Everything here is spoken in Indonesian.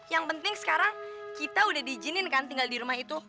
yang penting sekarang kita udah diizinin kan tinggal di rumah itu